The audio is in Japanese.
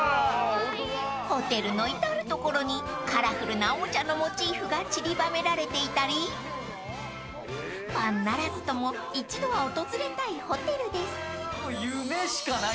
［ホテルの至る所にカラフルなおもちゃのモチーフがちりばめられていたりファンならずとも一度は訪れたいホテルです］